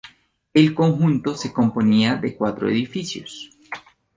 El conjunto se componía de cuatro edificios.